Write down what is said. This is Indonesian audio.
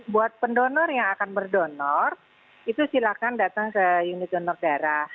buat pendonor yang akan berdonor itu silakan datang ke unit donor darah